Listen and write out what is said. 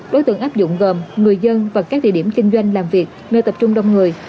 đối tượng áp dụng gồm người dân và các địa điểm kinh doanh làm việc nơi tập trung đông người